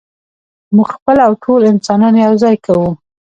موږ خپله او ټول انسانان یو ځای کوو.